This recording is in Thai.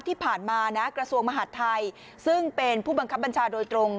ที่ผ่านมานะกระทรวงมหาดไทยซึ่งเป็นผู้บังคับบัญชาโดยตรง